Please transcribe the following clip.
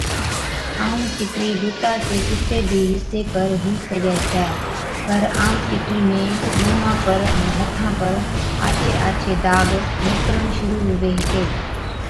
عام چِٽرِي بُتا چي ڪِسي بِي حصي پر هُو سِگھَي ڇَي، پَر عام چِٽرِي ۾ مُونهان پر ائُون هٿان پر آڇي آڇي داگ نِڪرڻ شرُوع هُوي هِتي۔